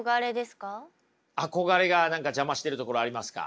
憧れが何か邪魔してるところありますか？